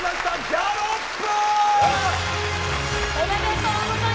ギャロップ。